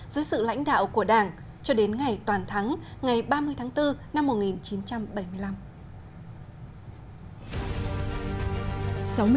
dưới sự lãnh đạo của đảng cho đến ngày toàn thắng ngày ba mươi tháng bốn năm một nghìn chín trăm bảy mươi năm